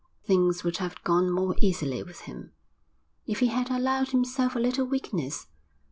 Things would have gone more easily with him, if he had allowed himself a little weakness.